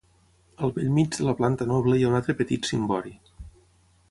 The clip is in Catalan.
Al bell mig de la planta noble hi ha un altre petit cimbori.